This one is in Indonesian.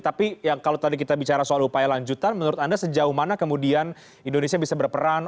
tapi kalau tadi kita bicara soal upaya lanjutan menurut anda sejauh mana kemudian indonesia bisa berperan